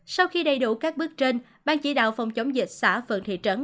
sau khi đầy đủ các bước trên ban chỉ đạo phòng chống dịch xã phường thị trấn